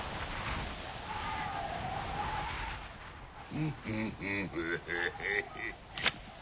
フフフフ。